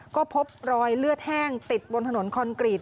ก็พบรอยเลือดแห้งติดบนถนนคอนกรีต